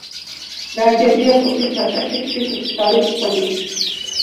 ნაგებია კლდის ნატეხი ქვის მშრალი წყობით.